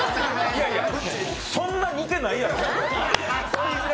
いやいや、そんな似てないやろ。